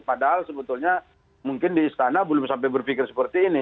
padahal sebetulnya mungkin di istana belum sampai berpikir seperti ini